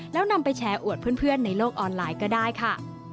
แล้วนำไปแชร์อวดเพื่อนในโลกออนไลน์ก็ได้ค่ะ